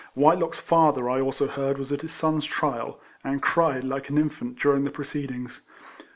Whitelock's father I also heard was at his son's trial, and cried like an infant during the proceedings.